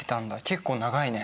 結構長いね。